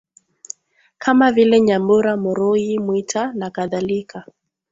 kama vile Nyambura Murughi Mwita nakadhalika